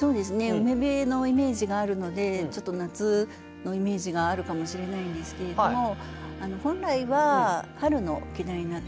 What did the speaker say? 海辺のイメージがあるのでちょっと夏のイメージがあるかもしれないんですけれども本来は春の季題になってます。